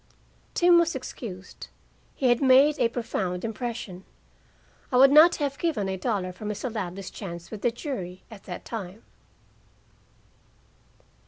Tim was excused. He had made a profound impression. I would not have given a dollar for Mr. Ladley's chance with the jury, at that time.